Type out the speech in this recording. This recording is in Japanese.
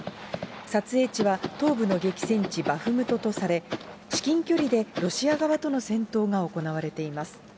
撮影地は東部の激戦地バフムトとされ、至近距離でロシア側との戦闘が行われています。